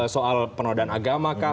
soal penodaan agama kan